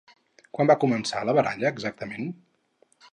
Quan va començar la baralla exactament?